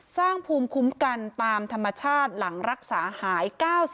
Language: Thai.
สร้างภูมิคุ้มกันตามธรรมชาติหลังรักษาหาย๙๐